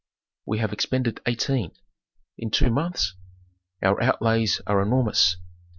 "We have expended eighteen." "In two months?" "Our outlays are enormous."